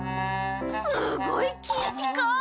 すごい金ピカ！